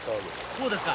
こうですか？